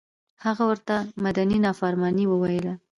هغه ورته مدني نافرماني وویله.